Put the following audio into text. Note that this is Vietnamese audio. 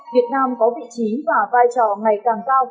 việt nam có vị trí và vai trò ngày càng cao